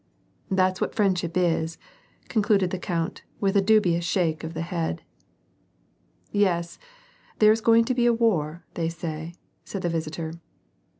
That's what friendship is," concluded the count, with a dubious shake of the head. " Yes, there's going to be war, they say," said the visitor.